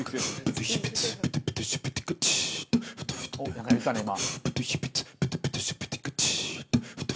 何か言うたね今。